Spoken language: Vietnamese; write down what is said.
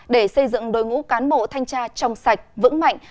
để xây dựng đối ngũ cán bộ thanh tra trong sạch vững mạnh